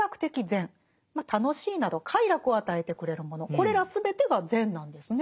これら全てが善なんですね。